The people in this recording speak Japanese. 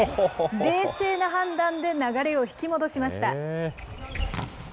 冷静な判断で流れを引き戻しました。